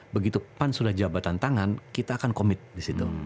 begitu pan sudah jabatan tangan kita akan komit disitu